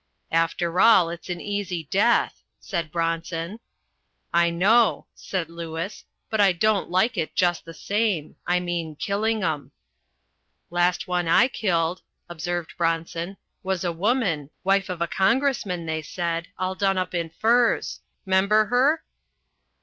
"After all, it's an easy death," said Bronson. "I know," said Lewis; "but I don't like it, just the same I mean killing 'em." "Last one I killed," observed Bronson, "was a woman, wife of a congressman, they said, all done up in furs. 'Member her?"